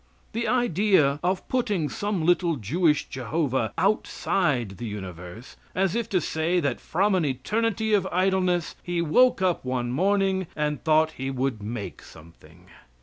The idea of putting some little Jewish jehovah outside the universe, as if to say that from an eternity of idleness he woke up one morning and thought he would make something.